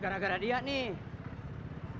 gara gara dia nih